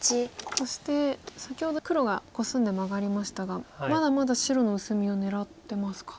そして先ほど黒がコスんでマガりましたがまだまだ白の薄みを狙ってますか。